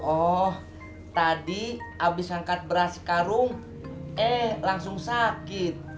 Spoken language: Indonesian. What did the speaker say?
oh tadi abis angkat berasi karung eh langsung sakit